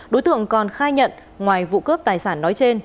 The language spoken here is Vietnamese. đối tượng còn khai nhận ngoài vụ cướp tài sản nói trên